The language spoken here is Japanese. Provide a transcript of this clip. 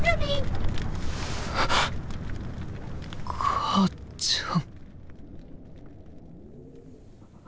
母ちゃん！